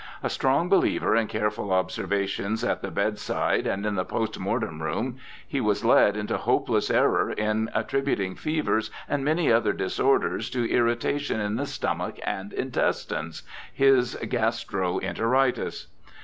A strong beliex er in careful observations at the bedside and in the post mortem room, he was led into hopeless error in attributing fevers and many other disorders to irritation in the stomach and intestines— his gastro enteritis.